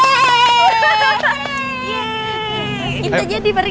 kita jadi pergi